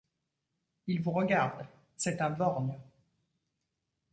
Il vous regarde : c’est un borgne.